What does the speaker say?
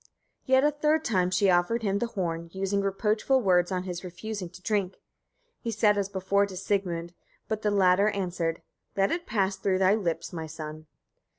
Yet a third time she offered him the horn, using reproachful words on his refusing to drink. He said as before to Sigmund, but the latter answered: "Let it pass through thy lips, my son."